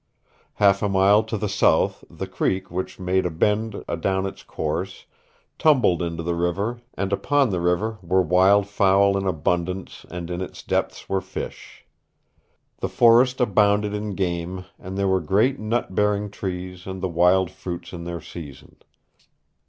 Half a mile to the south the creek, which made a bend adown its course, tumbled into the river and upon the river were wild fowl in abundance and in its depths were fish. The forest abounded in game and there were great nut bearing trees and the wild fruits in their season.